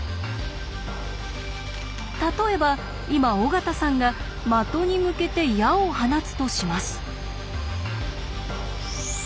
例えば今尾形さんが的に向けて矢を放つとします。